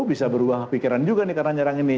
bisa berubah pikiran juga nih karena nyerang ini